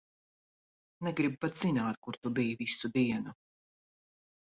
Negribu pat zināt, kur tu biji visu dienu.